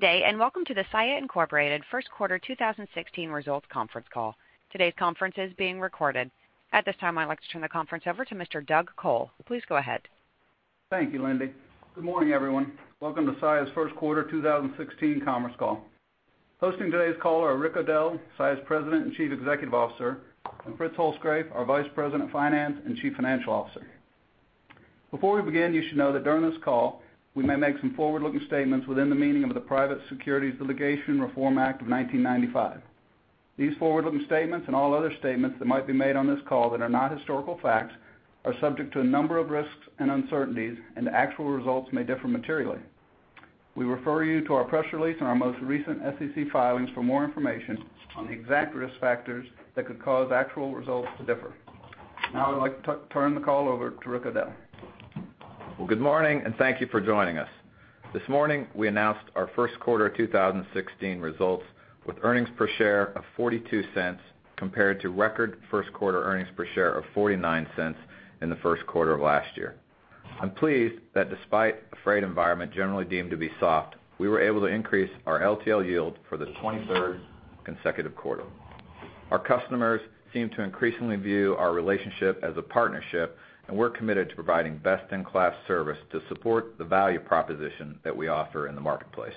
Good day, and welcome to the Saia Incorporated First Quarter 2016 Results Conference Call. Today's conference is being recorded. At this time, I'd like to turn the conference over to Mr. Doug Col. Please go ahead. Thank you, Lindy. Good morning, everyone. Welcome to Saia's First Quarter 2016 conference call. Hosting today's call are Rick O'Dell, Saia's President and Chief Executive Officer, and Fritz Holzgrafe, our Vice President of Finance and Chief Financial Officer. Before we begin, you should know that during this call, we may make some forward-looking statements within the meaning of the Private Securities Litigation Reform Act of 1995. These forward-looking statements, and all other statements that might be made on this call that are not historical facts, are subject to a number of risks and uncertainties, and actual results may differ materially. We refer you to our press release and our most recent SEC filings for more information on the exact risk factors that could cause actual results to differ. Now I'd like to turn the call over to Rick O'Dell. Well, good morning, and thank you for joining us. This morning, we announced our first quarter of 2016 results, with earnings per share of $0.42, compared to record first quarter earnings per share of $0.49 in the first quarter of last year. I'm pleased that despite a freight environment generally deemed to be soft, we were able to increase our LTL yield for the 23rd consecutive quarter. Our customers seem to increasingly view our relationship as a partnership, and we're committed to providing best-in-class service to support the value proposition that we offer in the marketplace.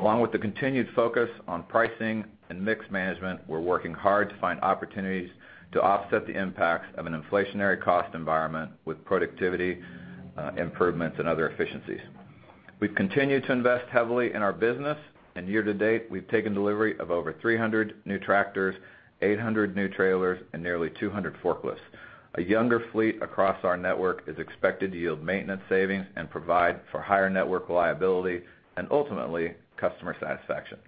Along with the continued focus on pricing and mix management, we're working hard to find opportunities to offset the impacts of an inflationary cost environment with productivity improvements, and other efficiencies. We've continued to invest heavily in our business, and year-to-date, we've taken delivery of over 300 new tractors, 800 new trailers, and nearly 200 forklifts. A younger fleet across our network is expected to yield maintenance savings and provide for higher network reliability and, ultimately, customer satisfaction.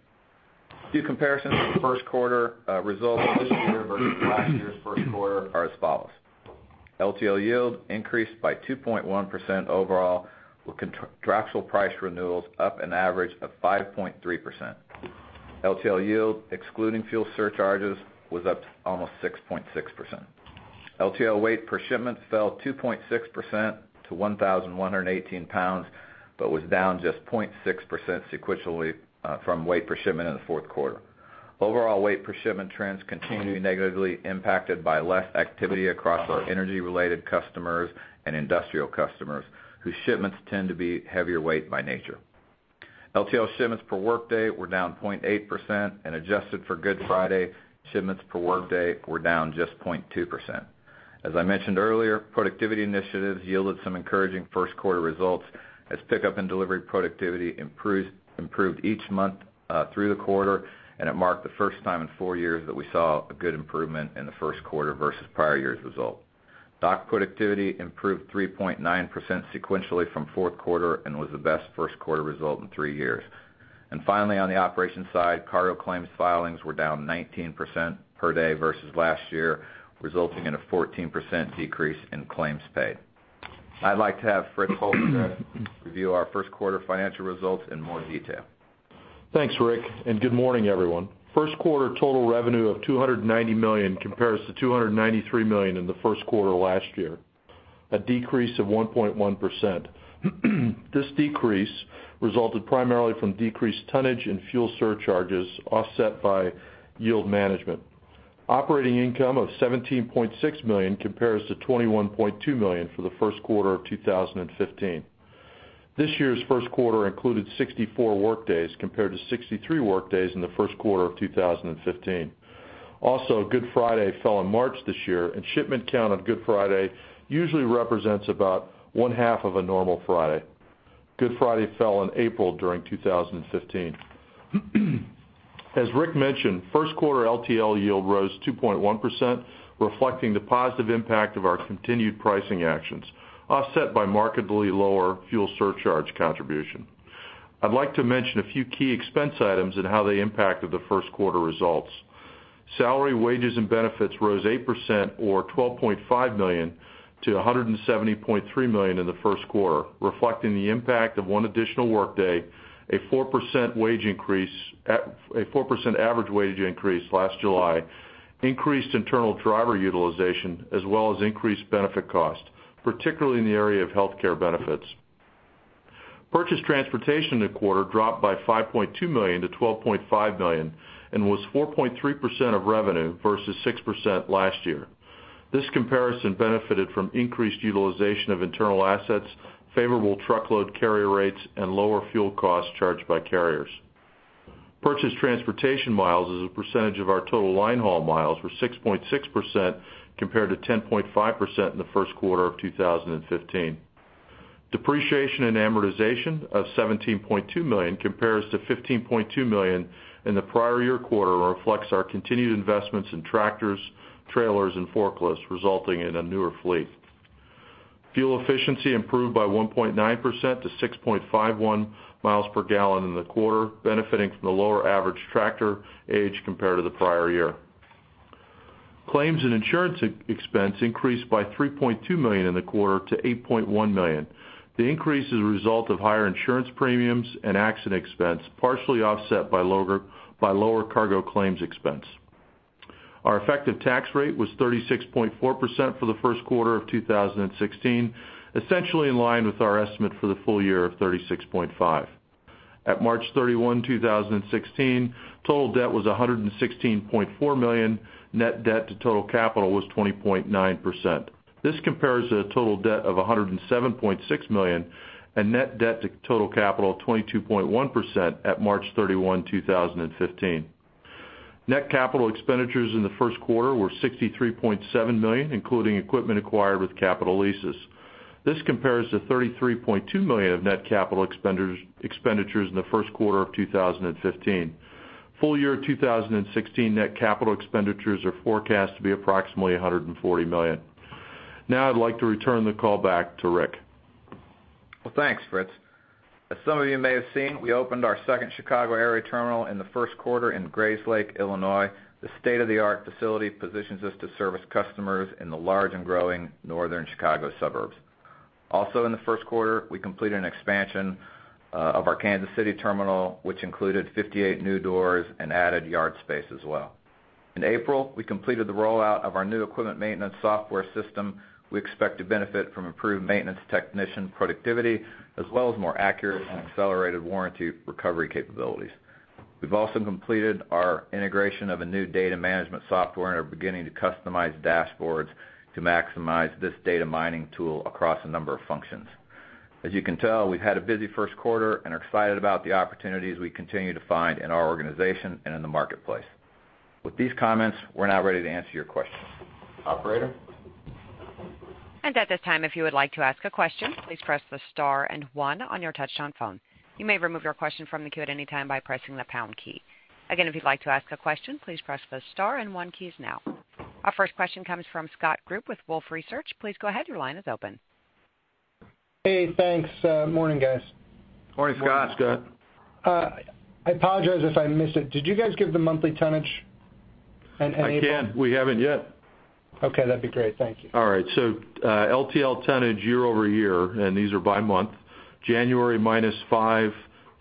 A few comparisons to the first quarter results this year versus last year's first quarter are as follows: LTL yield increased by 2.1% overall, with contractual price renewals up an average of 5.3%. LTL yield, excluding fuel surcharges, was up almost 6.6%. LTL weight per shipment fell 2.6% to 1,118 pounds, but was down just 0.6% sequentially from weight per shipment in the fourth quarter. Overall weight per shipment trends continue to be negatively impacted by less activity across our energy-related customers and industrial customers, whose shipments tend to be heavier weight by nature. LTL shipments per workday were down 0.8%, and adjusted for Good Friday, shipments per workday were down just 0.2%. As I mentioned earlier, productivity initiatives yielded some encouraging first quarter results, as pickup and delivery productivity improved each month through the quarter, and it marked the first time in four years that we saw a good improvement in the first quarter versus prior year's result. Dock productivity improved 3.9% sequentially from fourth quarter and was the best first quarter result in three years. Finally, on the operations side, cargo claims filings were down 19% per day versus last year, resulting in a 14% decrease in claims paid. I'd like to have Fritz Holzgrafe review our first quarter financial results in more detail. Thanks, Rick, and good morning, everyone. First quarter total revenue of $290 million compares to $293 million in the first quarter of last year, a decrease of 1.1%. This decrease resulted primarily from decreased tonnage and fuel surcharges, offset by yield management. Operating income of $17.6 million compares to $21.2 million for the first quarter of 2015. This year's first quarter included 64 workdays, compared to 63 workdays in the first quarter of 2015. Also, Good Friday fell in March this year, and shipment count on Good Friday usually represents about one half of a normal Friday. Good Friday fell in April during 2015. As Rick mentioned, first quarter LTL yield rose 2.1%, reflecting the positive impact of our continued pricing actions, offset by markedly lower fuel surcharge contribution. I'd like to mention a few key expense items and how they impacted the first quarter results. Salary, wages, and benefits rose 8% or $12.5 million to $170.3 million in the first quarter, reflecting the impact of one additional workday, a 4% average wage increase last July, increased internal driver utilization, as well as increased benefit costs, particularly in the area of healthcare benefits. Purchased transportation in the quarter dropped by $5.2 million to $12.5 million and was 4.3% of revenue versus 6% last year. This comparison benefited from increased utilization of internal assets, favorable truckload carrier rates, and lower fuel costs charged by carriers. Purchased transportation miles as a percentage of our total line haul miles were 6.6%, compared to 10.5% in the first quarter of 2015. Depreciation and amortization of $17.2 million compares to $15.2 million in the prior year quarter, and reflects our continued investments in tractors, trailers, and forklifts, resulting in a newer fleet. Fuel efficiency improved by 1.9% to 6.51 miles per gallon in the quarter, benefiting from the lower average tractor age compared to the prior year. Claims and insurance expense increased by $3.2 million in the quarter to $8.1 million. The increase is a result of higher insurance premiums and accident expense, partially offset by lower cargo claims expense.... Our effective tax rate was 36.4% for the first quarter of 2016, essentially in line with our estimate for the full year of 36.5%. At March 31, 2016, total debt was $116.4 million. Net debt to total capital was 20.9%. This compares to the total debt of $107.6 million, and net debt to total capital of 22.1% at March 31, 2015. Net capital expenditures in the first quarter were $63.7 million, including equipment acquired with capital leases. This compares to $33.2 million of net capital expenditures in the first quarter of 2015. Full year, 2016, net capital expenditures are forecast to be approximately $140 million. Now I'd like to return the call back to Rick. Well, thanks, Fritz. As some of you may have seen, we opened our second Chicago area terminal in the first quarter in Grayslake, Illinois. The state-of-the-art facility positions us to service customers in the large and growing northern Chicago suburbs. Also, in the first quarter, we completed an expansion of our Kansas City terminal, which included 58 new doors and added yard space as well. In April, we completed the rollout of our new equipment maintenance software system. We expect to benefit from improved maintenance technician productivity, as well as more accurate and accelerated warranty recovery capabilities. We've also completed our integration of a new data management software and are beginning to customize dashboards to maximize this data mining tool across a number of functions. As you can tell, we've had a busy first quarter and are excited about the opportunities we continue to find in our organization and in the marketplace. With these comments, we're now ready to answer your questions. Operator? At this time, if you would like to ask a question, please press the star and one on your touchtone phone. You may remove your question from the queue at any time by pressing the pound key. Again, if you'd like to ask a question, please press the star and one keys now. Our first question comes from Scott Group with Wolfe Research. Please go ahead. Your line is open. Hey, thanks. Morning, guys. Morning, Scott. Scott. I apologize if I missed it. Did you guys give the monthly tonnage in April? I can. We haven't yet. Okay, that'd be great. Thank you. All right. So, LTL tonnage year-over-year, and these are by month, January, -5%;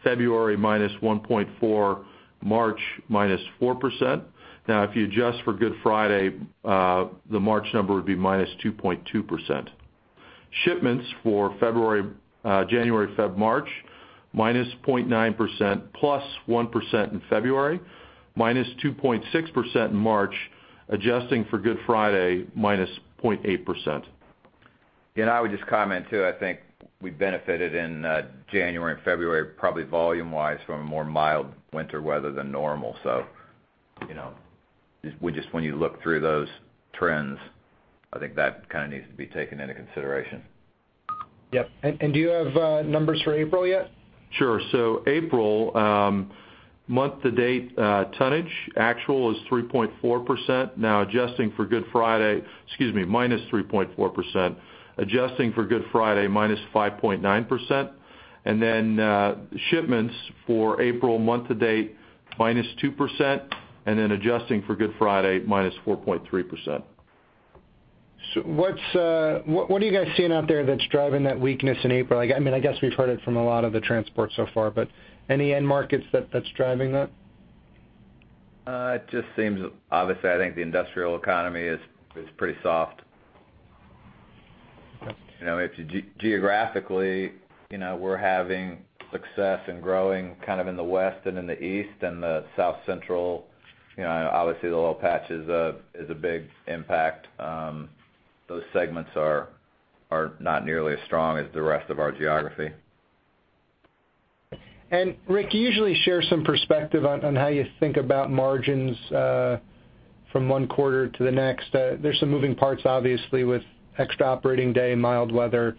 February, -1.4%; March, -4%. Now, if you adjust for Good Friday, the March number would be -2.2%. Shipments for January, Feb, March, -0.9%, +1% in February, -2.6% in March. Adjusting for Good Friday, -0.8%. I would just comment, too, I think we benefited in January and February, probably volume-wise, from a more mild winter weather than normal. So, you know, we just, when you look through those trends, I think that kind of needs to be taken into consideration. Yep. And do you have numbers for April yet? Sure. So April, month-to-date, tonnage, actual is 3.4%. Now, adjusting for Good Friday, excuse me, -3.4%. Adjusting for Good Friday, -5.9%. And then, shipments for April month to date, -2%, and then adjusting for Good Friday, -4.3%. So what are you guys seeing out there that's driving that weakness in April? I mean, I guess we've heard it from a lot of the transport so far, but any end markets that's driving that? It just seems, obviously, I think the industrial economy is pretty soft. You know, if you geographically, you know, we're having success in growing kind of in the West and in the East and the South Central. You know, obviously, the oil patch is a big impact. Those segments are not nearly as strong as the rest of our geography. Rick, you usually share some perspective on, on how you think about margins, from one quarter to the next. There's some moving parts, obviously, with extra operating day, mild weather.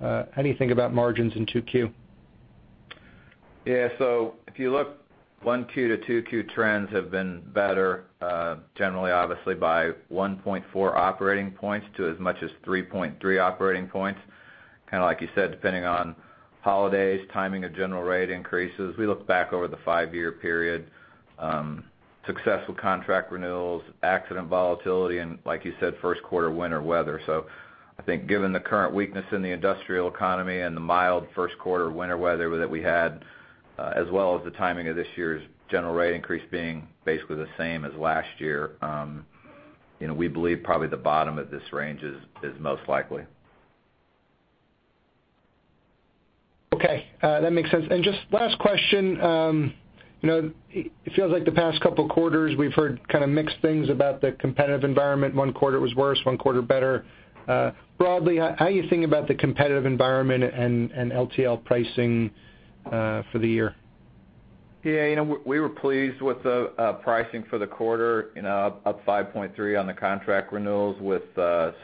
How do you think about margins in 2Q? Yeah, so if you look, 1Q to 2Q, trends have been better, generally, obviously by 1.4 operating points to as much as 3.3 operating points. Kinda like you said, depending on holidays, timing of general rate increases. We look back over the five-year period, successful contract renewals, accident volatility, and like you said, first quarter winter weather. So I think given the current weakness in the industrial economy and the mild first quarter winter weather that we had, as well as the timing of this year's general rate increase being basically the same as last year, you know, we believe probably the bottom of this range is most likely. Okay, that makes sense. And just last question, you know, it feels like the past couple of quarters, we've heard kind of mixed things about the competitive environment. One quarter was worse, one quarter better. Broadly, how are you thinking about the competitive environment and LTL pricing for the year? Yeah, you know, we were pleased with the pricing for the quarter, you know, up 5.3 on the contract renewals with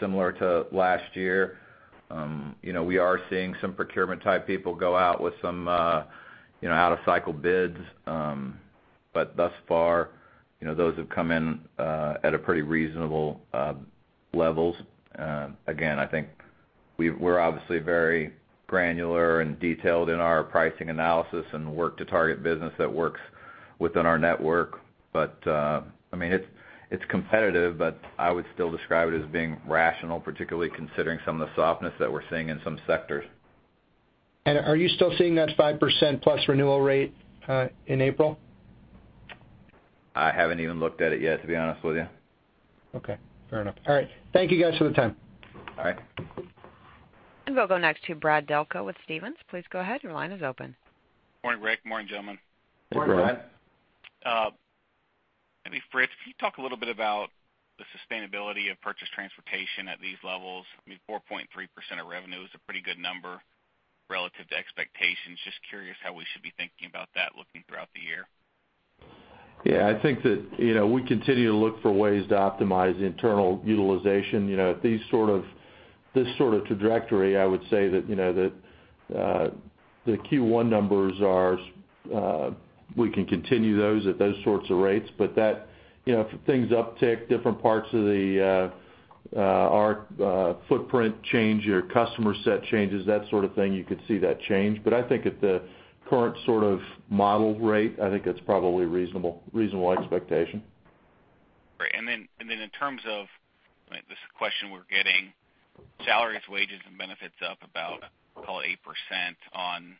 similar to last year. You know, we are seeing some procurement-type people go out with some out-of-cycle bids. But thus far, you know, those have come in at a pretty reasonable levels. Again, I think we're obviously very granular and detailed in our pricing analysis and work to target business that works within our network. But I mean, it's competitive, but I would still describe it as being rational, particularly considering some of the softness that we're seeing in some sectors.... are you still seeing that 5%+ renewal rate in April? I haven't even looked at it yet, to be honest with you. Okay, fair enough. All right. Thank you guys for the time. All right. We'll go next to Brad Delco with Stephens. Please go ahead. Your line is open. Good morning, Rick. Morning, gentlemen. Good morning, Brad. Maybe, Fritz, can you talk a little bit about the sustainability of purchas transportation at these levels? I mean, 4.3% of revenue is a pretty good number relative to expectations. Just curious how we should be thinking about that looking throughout the year. Yeah, I think that, you know, we continue to look for ways to optimize internal utilization. You know, at this sort of trajectory, I would say that, you know, that, the Q1 numbers are, we can continue those at those sorts of rates. But that, you know, if things uptick, different parts of the, our, footprint change, your customer set changes, that sort of thing, you could see that change. But I think at the current sort of model rate, I think it's probably reasonable expectation. Great. And then in terms of this question we're getting, salaries, wages, and benefits up about, call it, 8% on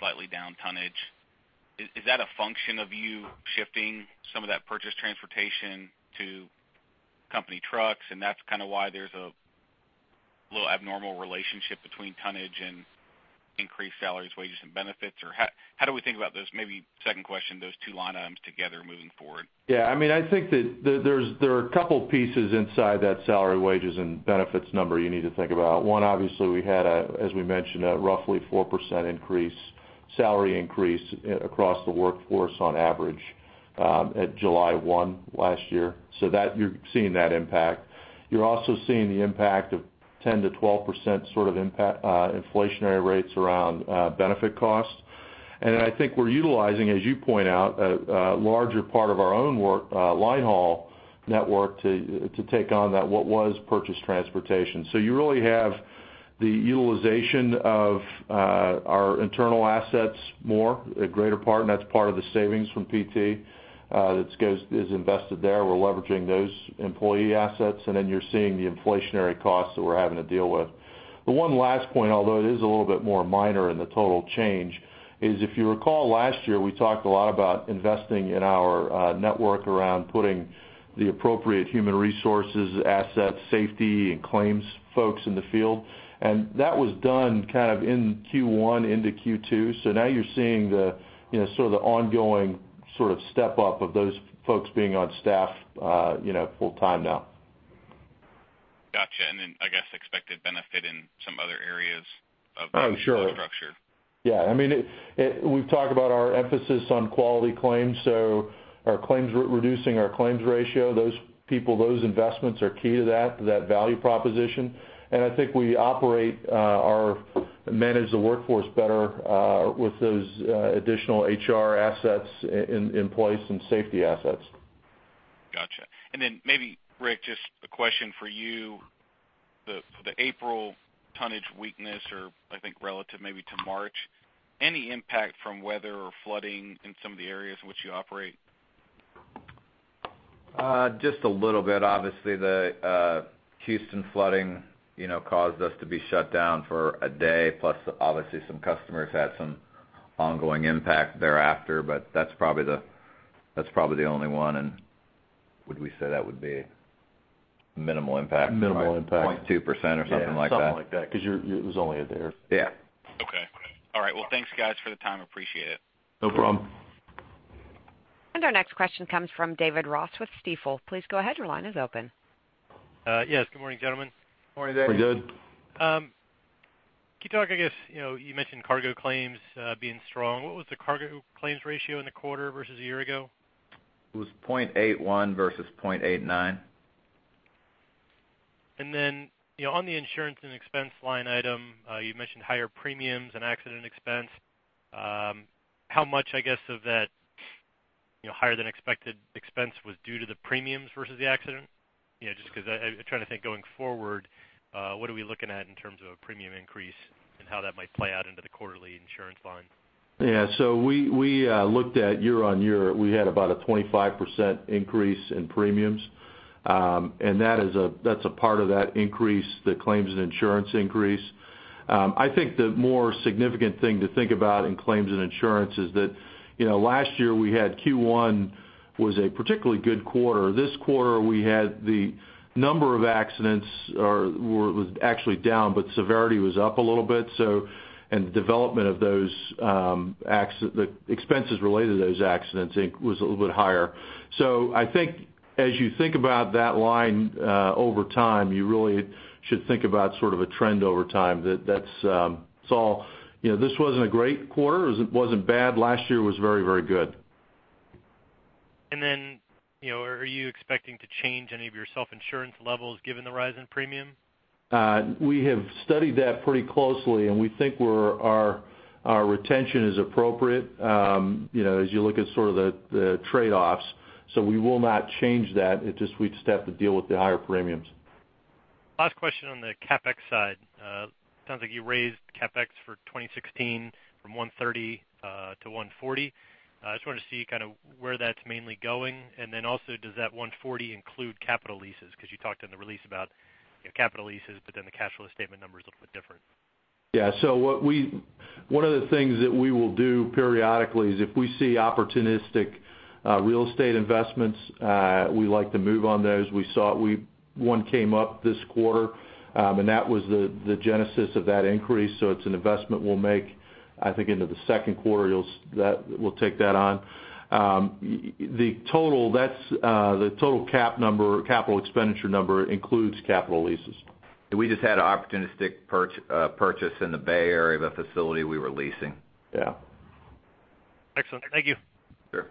slightly down tonnage. Is that a function of you shifting some of that purchase transportation to company trucks, and that's kind of why there's a little abnormal relationship between tonnage and increased salaries, wages, and benefits? Or how do we think about those, maybe second question, those two line items together moving forward? Yeah, I mean, I think that there are a couple pieces inside that salary, wages, and benefits number you need to think about. One, obviously, we had a, as we mentioned, a roughly 4% increase, salary increase, across the workforce on average, at July 1 last year. So that, you're seeing that impact. You're also seeing the impact of 10%-12% sort of impact, inflationary rates around, benefit costs. And then I think we're utilizing, as you point out, a larger part of our own work, line haul network to take on that what was purchased transportation. So you really have the utilization of, our internal assets more, a greater part, and that's part of the savings from PT, that is invested there. We're leveraging those employee assets, and then you're seeing the inflationary costs that we're having to deal with. The one last point, although it is a little bit more minor in the total change, is if you recall, last year, we talked a lot about investing in our network around putting the appropriate human resources, assets, safety, and claims folks in the field. And that was done kind of in Q1 into Q2. So now you're seeing the, you know, sort of the ongoing sort of step up of those folks being on staff, you know, full-time now. Gotcha. And then, I guess, expected benefit in some other areas of- Oh, sure -the structure. Yeah, I mean, it. We've talked about our emphasis on quality claims, so our claims, reducing our claims ratio, those people, those investments are key to that, to that value proposition. And I think we operate or manage the workforce better with those additional HR assets in place and safety assets. Gotcha. And then maybe, Rick, just a question for you. The April tonnage weakness, or I think relative maybe to March, any impact from weather or flooding in some of the areas in which you operate? Just a little bit. Obviously, the Houston flooding, you know, caused us to be shut down for a day, plus, obviously, some customers had some ongoing impact thereafter, but that's probably the only one. And would we say that would be minimal impact? Minimal impact. 2% or something like that. Something like that, because it was only a day. Yeah. Okay. All right. Well, thanks, guys, for the time. Appreciate it. No problem. Our next question comes from David Ross with Stifel. Please go ahead. Your line is open. Yes. Good morning, gentlemen. Morning, David. Good. Can you talk, I guess, you know, you mentioned cargo claims being strong. What was the cargo claims ratio in the quarter versus a year ago? It was 0.81 versus 0.89. And then, you know, on the insurance and expense line item, you mentioned higher premiums and accident expense. How much, I guess, of that, you know, higher than expected expense was due to the premiums versus the accident? You know, just because I, I'm trying to think going forward, what are we looking at in terms of a premium increase and how that might play out into the quarterly insurance line. Yeah. So we looked at year-on-year, we had about a 25% increase in premiums. And that is a -- that's a part of that increase, the claims and insurance increase. I think the more significant thing to think about in claims and insurance is that, you know, last year we had Q1 was a particularly good quarter. This quarter, we had the number of accidents was actually down, but severity was up a little bit. So the development of those, the expenses related to those accidents was a little bit higher. So I think as you think about that line, over time, you really should think about sort of a trend over time. That, that's, it's all... You know, this wasn't a great quarter. It wasn't bad. Last year was very, very good. And then, you know, are you expecting to change any of your self-insurance levels given the rise in premium? We have studied that pretty closely, and we think our retention is appropriate, you know, as you look at sort of the trade-offs, so we will not change that. It's just we'd just have to deal with the higher premiums. Last question on the CapEx side. Sounds like you raised CapEx for 2016 from $130 to $140. I just wanted to see kind of where that's mainly going. And then also, does that $140 include capital leases? Because you talked in the release about, you know, capital leases, but then the cash flow statement number is a little bit different. Yeah, so one of the things that we will do periodically is if we see opportunistic real estate investments, we like to move on those. We saw one came up this quarter, and that was the genesis of that increase. So it's an investment we'll make, I think, into the second quarter, you'll that we'll take that on. The total cap number, capital expenditure number includes capital leases. We just had an opportunistic purchase in the Bay Area of a facility we were leasing. Yeah. Excellent. Thank you. Sure.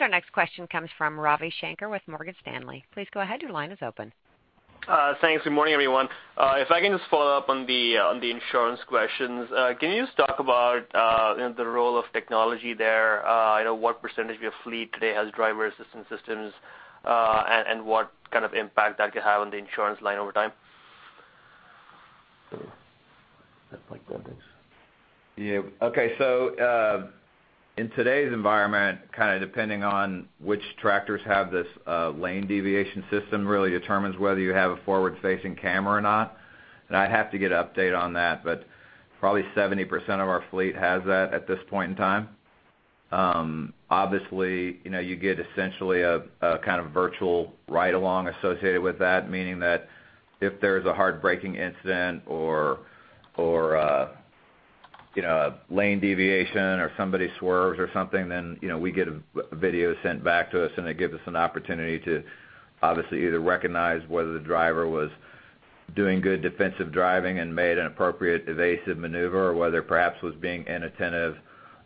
Our next question comes from Ravi Shanker with Morgan Stanley. Please go ahead. Your line is open. Thanks. Good morning, everyone. If I can just follow up on the insurance questions. Can you just talk about, you know, the role of technology there? You know, what percentage of your fleet today has driver assistance systems, and what kind of impact that could have on the insurance line over time? That's like that. Yeah. Okay, so in today's environment, kind of depending on which tractors have this lane deviation system, really determines whether you have a forward-facing camera or not. And I'd have to get an update on that, but probably 70% of our fleet has that at this point in time. Obviously, you know, you get essentially a kind of virtual ride-along associated with that, meaning that if there's a hard braking incident or a lane deviation or somebody swerves or something, then you know, we get a video sent back to us, and it gives us an opportunity to obviously either recognize whether the driver was doing good defensive driving and made an appropriate evasive maneuver, or whether perhaps was being inattentive.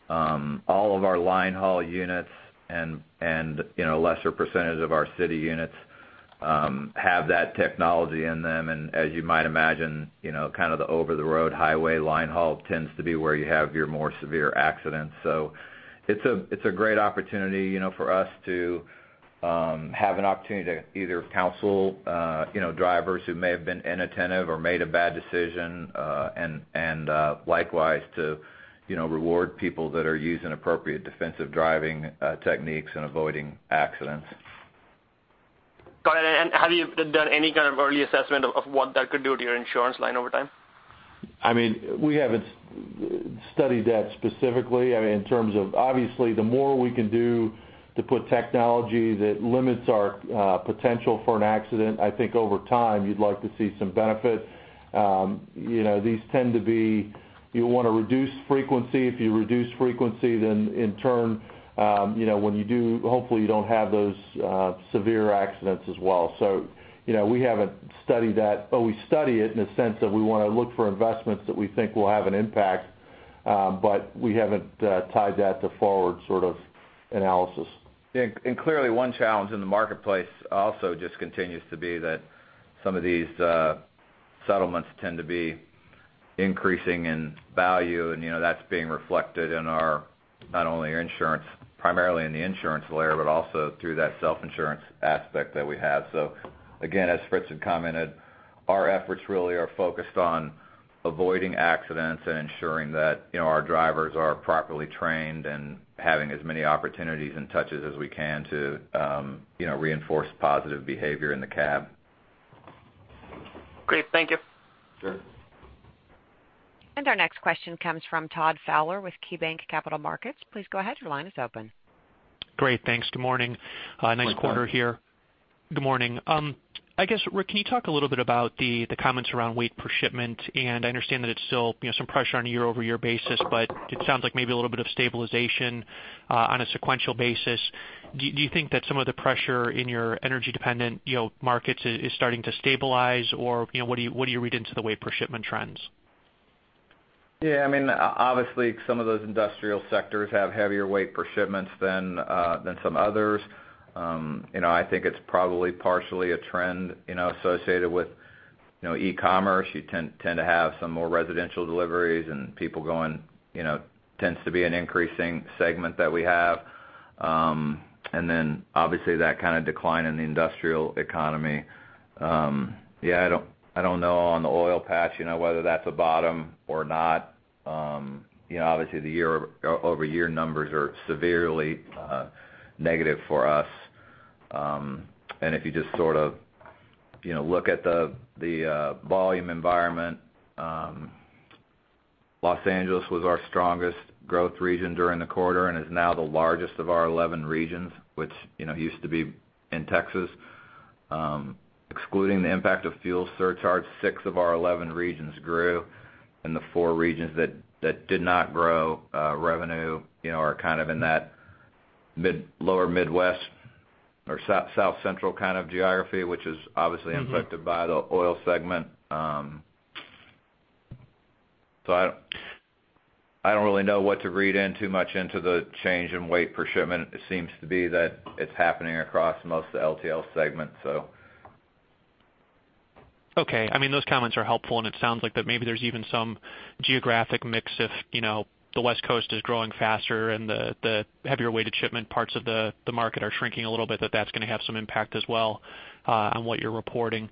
All of our line haul units and, you know, a lesser percentage of our city units have that technology in them. And as you might imagine, you know, kind of the over-the-road highway line haul tends to be where you have your more severe accidents. So it's a great opportunity, you know, for us to have an opportunity to either counsel, you know, drivers who may have been inattentive or made a bad decision, and likewise to, you know, reward people that are using appropriate defensive driving techniques and avoiding accidents. Got it. And have you done any kind of early assessment of what that could do to your insurance line over time? I mean, we haven't studied that specifically. I mean, in terms of... Obviously, the more we can do to put technology that limits our, potential for an accident, I think over time, you'd like to see some benefit. You know, these tend to be, you want to reduce frequency. If you reduce frequency, then in turn, you know, when you do, hopefully, you don't have those, severe accidents as well. So, you know, we haven't studied that, but we study it in the sense that we want to look for investments that we think will have an impact, but we haven't, tied that to forward sort of analysis. Yeah, and clearly, one challenge in the marketplace also just continues to be that some of these settlements tend to be increasing in value, and, you know, that's being reflected in our, not only our insurance, primarily in the insurance layer, but also through that self-insurance aspect that we have. So again, as Fritz had commented, our efforts really are focused on avoiding accidents and ensuring that, you know, our drivers are properly trained and having as many opportunities and touches as we can to, you know, reinforce positive behavior in the cab. Great. Thank you. Sure. Our next question comes from Todd Fowler with KeyBanc Capital Markets. Please go ahead. Your line is open. Great, thanks. Good morning. Good morning. Nice quarter here. Good morning. I guess, Rick, can you talk a little bit about the comments around weight per shipment? And I understand that it's still, you know, some pressure on a year-over-year basis, but it sounds like maybe a little bit of stabilization on a sequential basis. Do you think that some of the pressure in your energy-dependent, you know, markets is starting to stabilize? Or, you know, what do you read into the weight per shipment trends? Yeah, I mean, obviously, some of those industrial sectors have heavier weight per shipments than than some others. You know, I think it's probably partially a trend, you know, associated with, you know, e-commerce. You tend to have some more residential deliveries and people going, you know, tends to be an increasing segment that we have. And then obviously, that kind of decline in the industrial economy. Yeah, I don't know on the oil patch, you know, whether that's a bottom or not. You know, obviously, the year-over-year numbers are severely negative for us. And if you just sort of, you know, look at the volume environment, Los Angeles was our strongest growth region during the quarter and is now the largest of our eleven regions, which, you know, used to be in Texas. Excluding the impact of fuel surcharge, 6 of our 11 regions grew, and the 4 regions that did not grow revenue, you know, are kind of in that mid-lower Midwest or South Central kind of geography, which is obviously- Mm-hmm... impacted by the oil segment. So I don't really know what to read too much into the change in weight per shipment. It seems to be that it's happening across most of the LTL segment, so. Okay. I mean, those comments are helpful, and it sounds like that maybe there's even some geographic mix if, you know, the West Coast is growing faster and the heavier weighted shipment parts of the market are shrinking a little bit, that that's gonna have some impact as well on what you're reporting.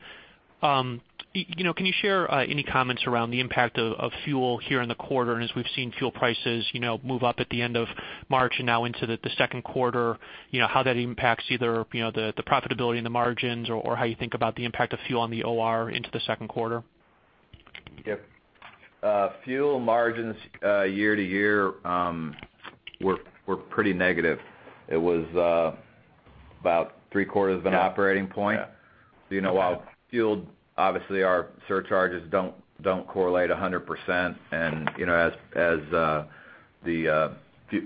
You know, can you share any comments around the impact of fuel here in the quarter? And as we've seen fuel prices, you know, move up at the end of March and now into the second quarter, you know, how that impacts either, you know, the profitability and the margins, or how you think about the impact of fuel on the OR into the second quarter?... Yep. Fuel margins, year-over-year, were pretty negative. It was about three quarters of an operating point. Yeah. You know, while fuel, obviously, our surcharges don't correlate 100%. You know, as the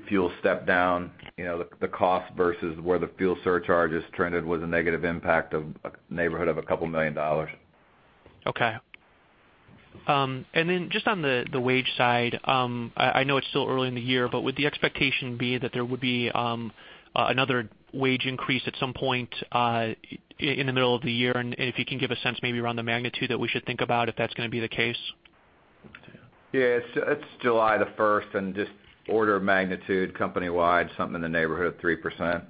fuel step down, you know, the cost versus where the fuel surcharges trended was a negative impact in the neighborhood of $2 million. Okay. And then just on the wage side, I know it's still early in the year, but would the expectation be that there would be another wage increase at some point in the middle of the year? And if you can give a sense maybe around the magnitude that we should think about, if that's going to be the case. Yeah, it's July the 1st, and just order of magnitude, company-wide, something in the neighborhood of 3%.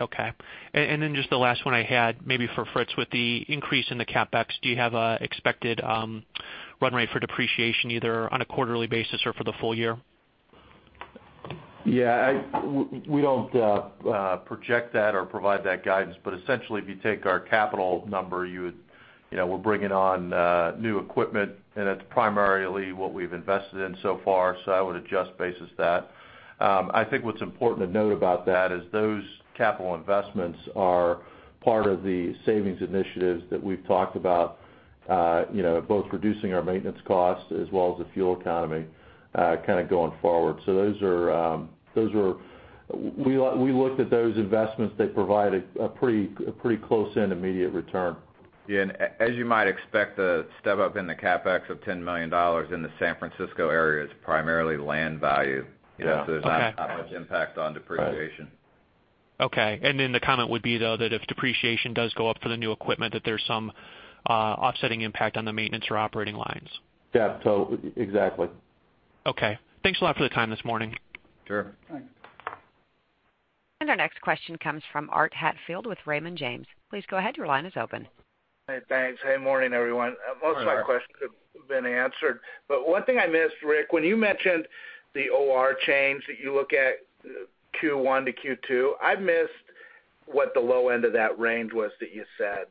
Okay. And then just the last one I had, maybe for Fritz, with the increase in the CapEx, do you have an expected run rate for depreciation, either on a quarterly basis or for the full year? Yeah, we don't project that or provide that guidance. But essentially, if you take our capital number, you would, you know, we're bringing on new equipment, and it's primarily what we've invested in so far, so I would adjust basis that. I think what's important to note about that is those capital investments are part of the savings initiatives that we've talked about, you know, both reducing our maintenance costs as well as the fuel economy kind of going forward. So those are we looked at those investments, they provided a pretty, a pretty close and immediate return. Yeah, and as you might expect, the step up in the CapEx of $10 million in the San Francisco area is primarily land value. Yeah. Okay. You know, so there's not much impact on depreciation. Okay. Then the comment would be, though, that if depreciation does go up for the new equipment, that there's some offsetting impact on the maintenance or operating lines? Yeah, so exactly. Okay. Thanks a lot for the time this morning. Sure. Thanks. Our next question comes from Art Hatfield with Raymond James. Please go ahead, your line is open. Hey, thanks. Hey, morning, everyone. Hi, Art. Most of my questions have been answered, but one thing I missed, Rick, when you mentioned the OR change that you look at Q1 to Q2, I missed what the low end of that range was that you said?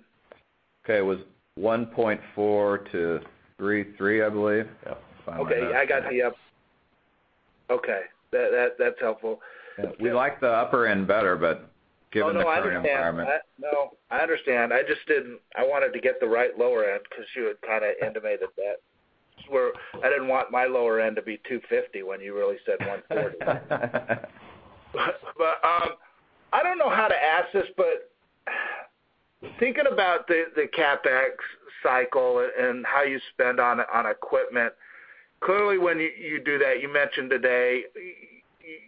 Okay, it was 1.4-3.3, I believe. Yep. Okay, I got the, yep. Okay, that, that's helpful. We like the upper end better, but given the current environment- Oh, no, I understand. No, I understand. I just didn't... I wanted to get the right lower end, 'cause you had kind of indicated that, where I didn't want my lower end to be $250 when you really said $140. But I don't know how to ask this, but thinking about the CapEx cycle and how you spend on equipment, clearly, when you do that, you mentioned today,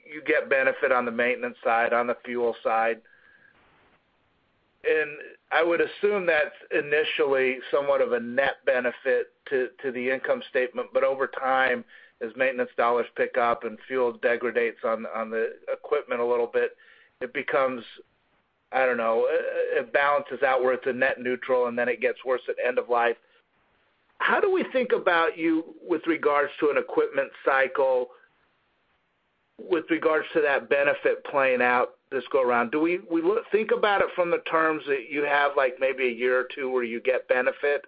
you get benefit on the maintenance side, on the fuel side. And I would assume that's initially somewhat of a net benefit to the income statement. But over time, as maintenance dollars pick up and fuel degrades on the equipment a little bit, it becomes, I don't know, it balances out where it's a net neutral, and then it gets worse at end of life. How do we think about you with regards to an equipment cycle, with regards to that benefit playing out this go around? Do we think about it from the terms that you have, like maybe a year or two, where you get benefit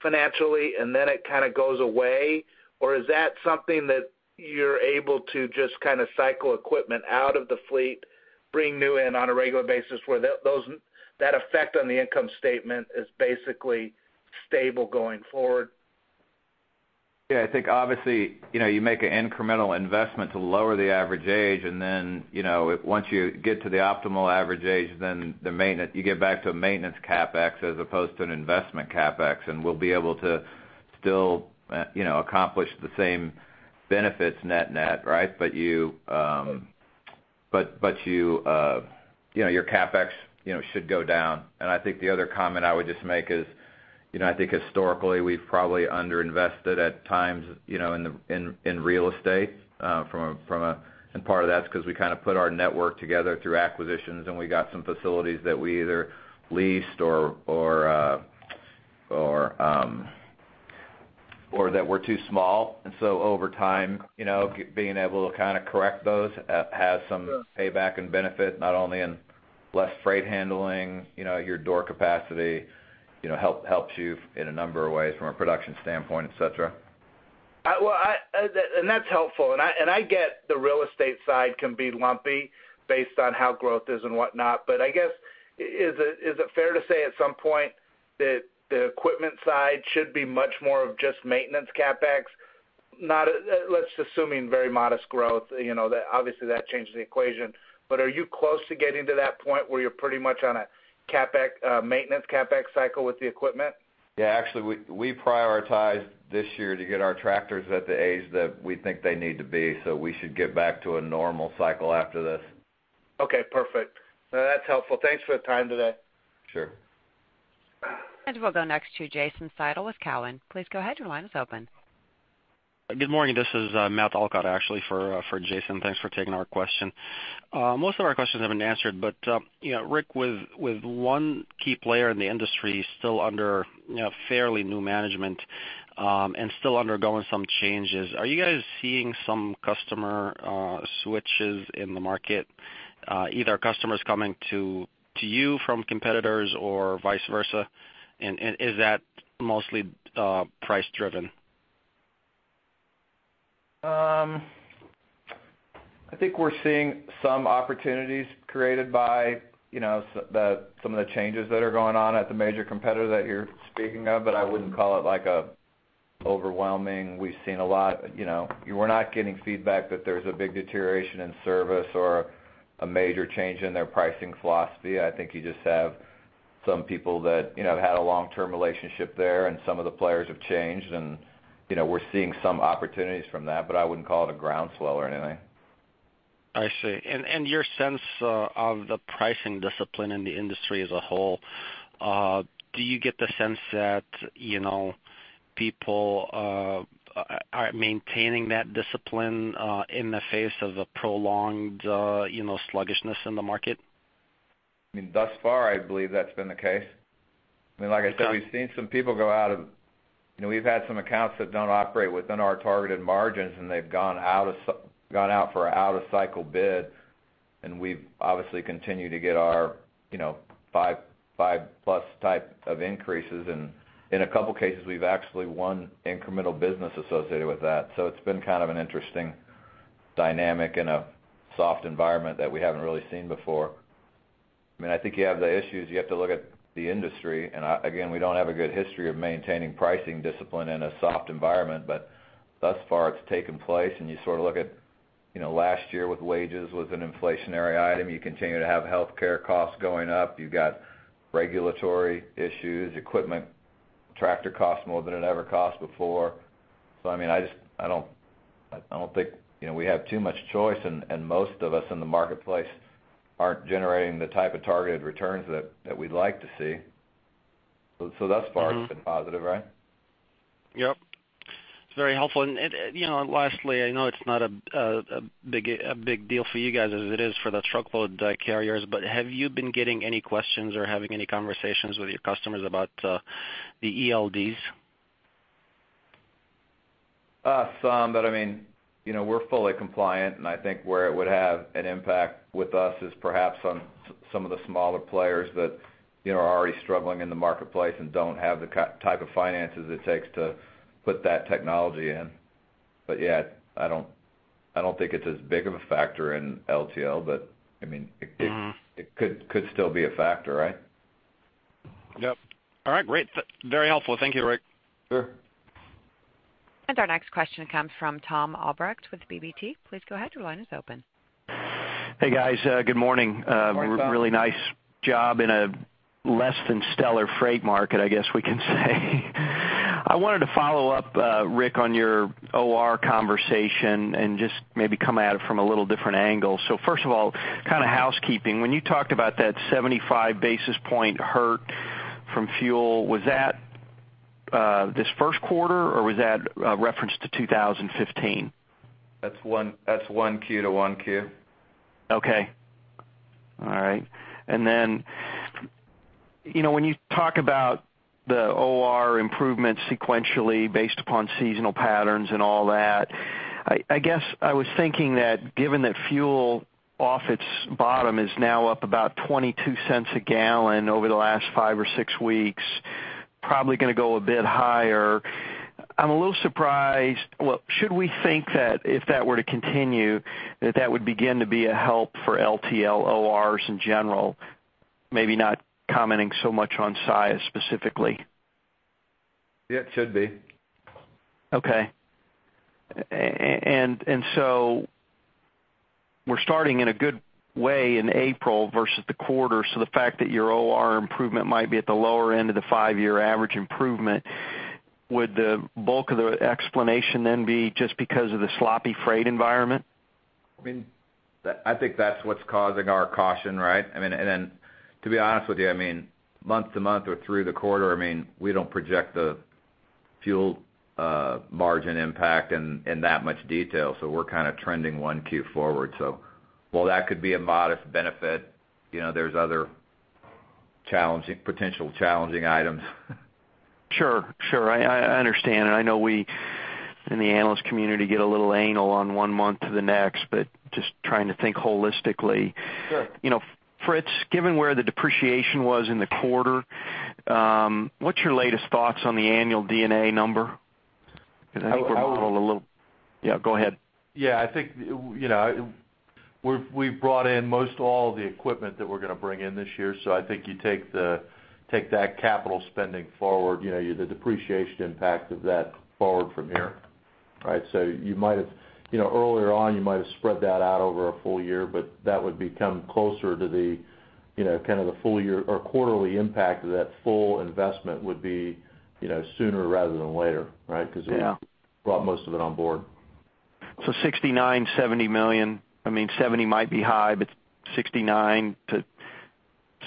financially, and then it kind of goes away? Or is that something that you're able to just kind of cycle equipment out of the fleet, bring new in on a regular basis, where those, that effect on the income statement is basically stable going forward? Yeah, I think obviously, you know, you make an incremental investment to lower the average age, and then, you know, once you get to the optimal average age, then the maintenance, you get back to a maintenance CapEx as opposed to an investment CapEx, and we'll be able to still, you know, accomplish the same benefits net-net, right? But you, you know, your CapEx, you know, should go down. And I think the other comment I would just make is, you know, I think historically, we've probably underinvested at times, you know, in the real estate, from a, from a. And part of that's because we kind of put our network together through acquisitions, and we got some facilities that we either leased or that were too small. And so over time, you know, being able to kind of correct those, has some- Sure ...payback and benefit, not only in less freight handling, you know, your door capacity, you know, helps you in a number of ways from a production standpoint, et cetera. Well, and that's helpful. And I get the real estate side can be lumpy based on how growth is and whatnot. But I guess, is it fair to say at some point that the equipment side should be much more of just maintenance CapEx? Not, let's assume very modest growth, you know, that obviously changes the equation. But are you close to getting to that point where you're pretty much on a CapEx maintenance CapEx cycle with the equipment? Yeah, actually, we prioritized this year to get our tractors at the age that we think they need to be, so we should get back to a normal cycle after this. Okay, perfect. No, that's helpful. Thanks for the time today. Sure. We'll go next to Jason Seidel with Cowen. Please go ahead, your line is open. Good morning, this is Matt Elkott, actually, for Jason. Thanks for taking our question. Most of our questions have been answered, but you know, Rick, with one key player in the industry still under you know, fairly new management, and still undergoing some changes, are you guys seeing some customer switches in the market, either customers coming to you from competitors or vice versa? And is that mostly price driven? ... I think we're seeing some opportunities created by, you know, some of the changes that are going on at the major competitor that you're speaking of, but I wouldn't call it like a overwhelming. We've seen a lot, you know, we're not getting feedback that there's a big deterioration in service or a major change in their pricing philosophy. I think you just have some people that, you know, have had a long-term relationship there, and some of the players have changed, and, you know, we're seeing some opportunities from that, but I wouldn't call it a groundswell or anything. I see. And your sense of the pricing discipline in the industry as a whole, do you get the sense that, you know, people are maintaining that discipline in the face of a prolonged, you know, sluggishness in the market? I mean, thus far, I believe that's been the case. I mean, like I said, we've seen some people go out of... You know, we've had some accounts that don't operate within our targeted margins, and they've gone out for an out-of-cycle bid, and we've obviously continued to get our, you know, 5, 5-plus type of increases. And in a couple cases, we've actually won incremental business associated with that. So it's been kind of an interesting dynamic in a soft environment that we haven't really seen before. I mean, I think you have the issues, you have to look at the industry, and I, again, we don't have a good history of maintaining pricing discipline in a soft environment, but thus far, it's taken place. And you sort of look at, you know, last year with wages was an inflationary item. You continue to have healthcare costs going up. You've got regulatory issues, equipment, tractor costs more than it ever cost before. So I mean, I just, I don't, I don't think, you know, we have too much choice, and, and most of us in the marketplace aren't generating the type of targeted returns that, that we'd like to see. So thus far, it's been positive, right? Yep. It's very helpful. And you know, lastly, I know it's not a big deal for you guys as it is for the truckload carriers, but have you been getting any questions or having any conversations with your customers about the ELDs? Some, but I mean, you know, we're fully compliant, and I think where it would have an impact with us is perhaps on some of the smaller players that, you know, are already struggling in the marketplace and don't have the type of finances it takes to put that technology in. But yeah, I don't, I don't think it's as big of a factor in LTL, but, I mean- Mm-hmm. It could still be a factor, right? Yep. All right, great. That's very helpful. Thank you, Rick. Sure. Our next question comes from Thom Albrecht with BB&T. Please go ahead, your line is open. Hey, guys, good morning. Good morning, Tom. Really nice job in a less than stellar freight market, I guess we can say. I wanted to follow up, Rick, on your OR conversation and just maybe come at it from a little different angle. So first of all, kind of housekeeping. When you talked about that 75 basis point hurt from fuel, was that, this first quarter, or was that, referenced to 2015? That's Q1 to Q1. Okay. All right. And then, you know, when you talk about the OR improvement sequentially based upon seasonal patterns and all that, I guess I was thinking that given that fuel off its bottom is now up about $0.22 a gallon over the last 5 or 6 weeks, probably gonna go a bit higher. I'm a little surprised. Well, should we think that if that were to continue, that that would begin to be a help for LTL ORs in general? Maybe not commenting so much on Saia specifically. Yeah, it should be. Okay. And so we're starting in a good way in April versus the quarter, so the fact that your OR improvement might be at the lower end of the five-year average improvement, would the bulk of the explanation then be just because of the sloppy freight environment? I mean, I think that's what's causing our caution, right? I mean, and then, to be honest with you, I mean, month to month or through the quarter, I mean, we don't project the fuel, margin impact in that much detail, so we're kind of trending one Q forward. So while that could be a modest benefit, you know, there's other challenging, potential challenging items. Sure, sure. I, I understand, and I know we in the analyst community get a little anal on one month to the next, but just trying to think holistically. Sure. You know, Fritz, given where the depreciation was in the quarter, what's your latest thoughts on the annual D&A number? I, I- 'Cause I think we're a little... Yeah, go ahead. Yeah, I think, you know, we've brought in most all of the equipment that we're gonna bring in this year, so I think you take that capital spending forward, you know, the depreciation impact of that forward from here, right? So you might have, you know, earlier on, you might have spread that out over a full year, but that would become closer to the, you know, kind of the full year or quarterly impact of that full investment would be, you know, sooner rather than later, right? Yeah. 'Cause we brought most of it on board. So $69-$70 million, I mean, $70 million might be high, but $69-$70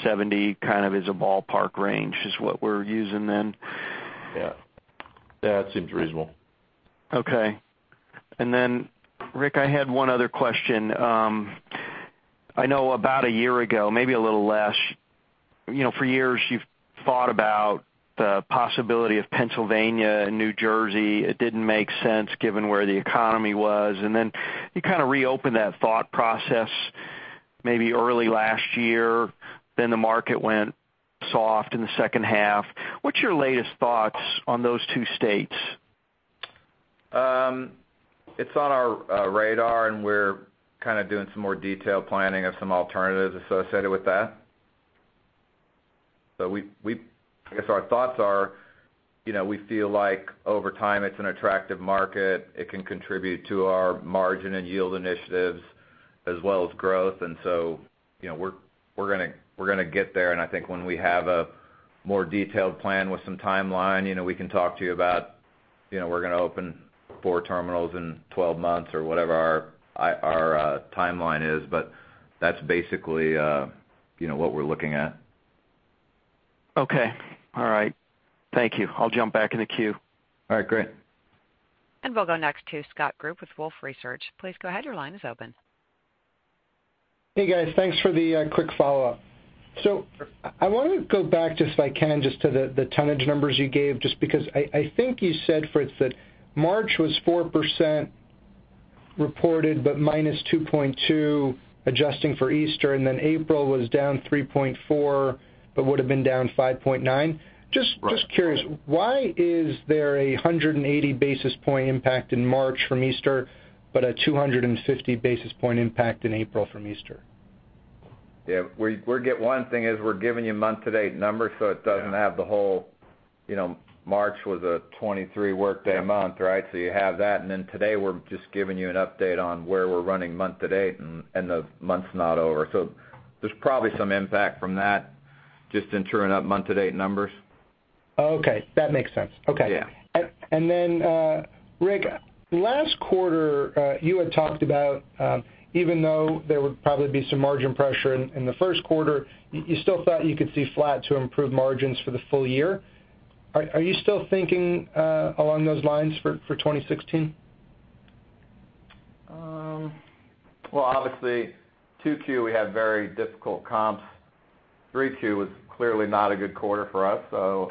million kind of is a ballpark range is what we're using then? Yeah. That seems reasonable. Okay. And then, Rick, I had one other question. I know about a year ago, maybe a little less, you know, for years you've thought about the possibility of Pennsylvania and New Jersey. It didn't make sense given where the economy was, and then you kind of reopened that thought process... maybe early last year, then the market went soft in the second half. What's your latest thoughts on those two states? It's on our radar, and we're kind of doing some more detailed planning of some alternatives associated with that. So I guess our thoughts are, you know, we feel like over time, it's an attractive market. It can contribute to our margin and yield initiatives as well as growth. And so, you know, we're gonna get there, and I think when we have a more detailed plan with some timeline, you know, we can talk to you about, you know, we're gonna open 4 terminals in 12 months or whatever our timeline is, but that's basically, you know, what we're looking at. Okay. All right. Thank you. I'll jump back in the queue. All right, great. We'll go next to Scott Group with Wolfe Research. Please go ahead. Your line is open. Hey, guys. Thanks for the quick follow-up. So I want to go back, just if I can, just to the tonnage numbers you gave, just because I think you said for it, that March was 4% reported, but -2.2, adjusting for Easter, and then April was down 3.4, but would have been down 5.9. Right. Just, just curious, why is there a 180 basis point impact in March from Easter, but a 250 basis point impact in April from Easter? Yeah, one thing is, we're giving you month-to-date numbers, so it doesn't- Yeah... have the whole, you know, March was a 23 work day a month, right? So you have that, and then today, we're just giving you an update on where we're running month to date, and, and the month's not over. So there's probably some impact from that just in trueing up month-to-date numbers. Oh, okay. That makes sense. Okay. Yeah. Rick, last quarter, you had talked about even though there would probably be some margin pressure in the first quarter, you still thought you could see flat to improve margins for the full year. Are you still thinking along those lines for 2016? Well, obviously, 2Q, we have very difficult comps. 3Q was clearly not a good quarter for us, so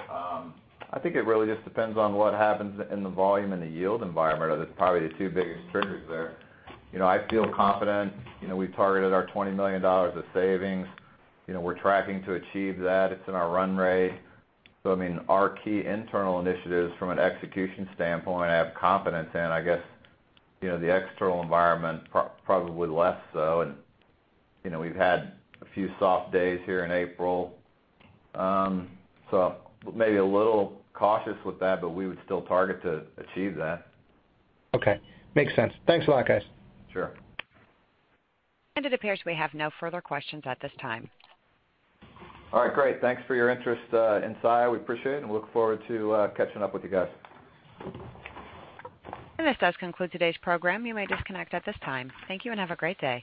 I think it really just depends on what happens in the volume and the yield environment. That's probably the two biggest triggers there. You know, I feel confident. You know, we've targeted our $20 million of savings. You know, we're tracking to achieve that. It's in our run rate. So, I mean, our key internal initiatives from an execution standpoint, I have confidence in. I guess, you know, the external environment, probably less so. And, you know, we've had a few soft days here in April. So maybe a little cautious with that, but we would still target to achieve that. Okay, makes sense. Thanks a lot, guys. Sure. It appears we have no further questions at this time. All right, great. Thanks for your interest in Saia. We appreciate it, and look forward to catching up with you guys. This does conclude today's program. You may disconnect at this time. Thank you, and have a great day.